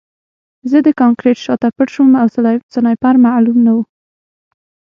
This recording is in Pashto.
زه د کانکریټ شاته پټ شوم او سنایپر معلوم نه و